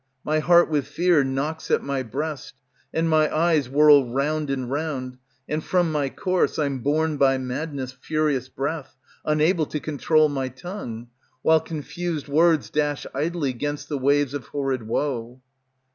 My heart with fear knocks at my breast, And my eyes whirl round and round, And from my course I'm borne by madness' Furious breath, unable to control my tongue; While confused words dash idly 'Gainst the waves of horrid woe.